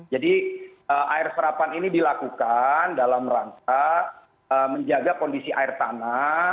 jadi air serapan ini dilakukan dalam rangka menjaga kondisi air tanah